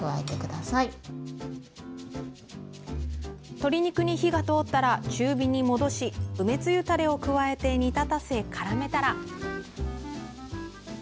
鶏肉に火が通ったら中火に戻し梅つゆタレを加えて煮立たせからめたら。